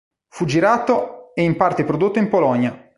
Fu girato e in parte prodotto in Polonia.